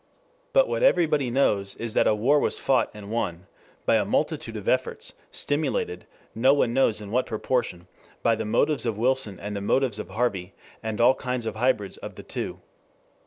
But what everybody knows is that a war was fought and won by a multitude of efforts, stimulated, no one knows in what proportion, by the motives of Wilson and the motives of Harvey and all kinds of hybrids of the two.